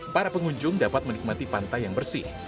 para pengunjung dapat menikmati pantai yang bersih